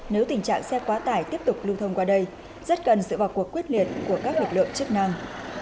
nếu tình trạng xe quá tải tiếp tục lưu thông qua đây rất cần sự vào cuộc quyết liệt của các lực lượng chức năng